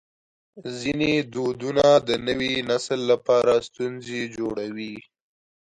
ځینې دودونه د نوي نسل لپاره ستونزې جوړوي.